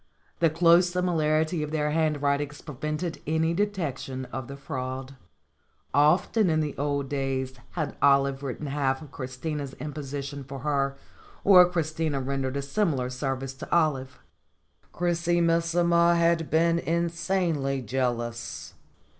The close similarity of their handwritings prevented any detection of the fraud. Often in the old days had Olive written half of Chris 128 STORIES WITHOUT TEARS tina's imposition for her, or Christina rendered a simi lar service to Olive. Chrisimissima had been insanely jealous.